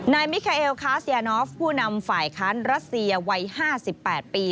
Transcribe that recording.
นายมิเคเอลคาสยานอฟผู้นำฝ่ายค้านรัสเซียวัยห้าสิบแปดปี